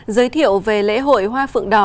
giới thiệu về lễ hội hoa phượng đạo